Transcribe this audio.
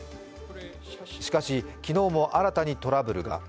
しかし昨日も新たにトラブルが。